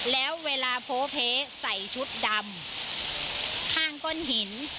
แล้วเวลาโพเพใส่ชุดดำข้างก้นหิน